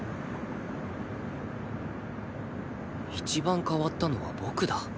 一番変わったのは僕だ